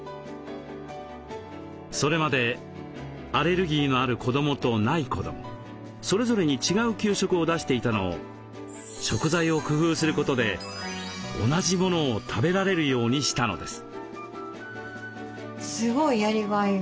それまでアレルギーのある子どもとない子どもそれぞれに違う給食を出していたのを食材を工夫することで同じものを食べられるようにしたのです。